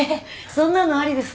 そんなのありですか？